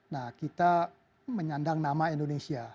nah kita menyandang nama indonesia